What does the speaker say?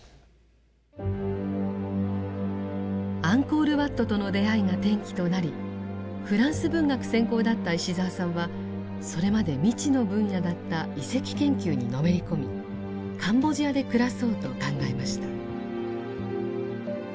アンコール・ワットとの出会いが転機となりフランス文学専攻だった石澤さんはそれまで未知の分野だった遺跡研究にのめり込みカンボジアで暮らそうと考えました。